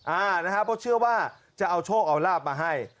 อ่านะครับเพราะเชื่อว่าจะเอาโชคเอาลาบมาให้